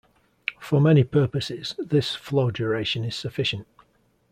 For many purposes, this flow duration is sufficient.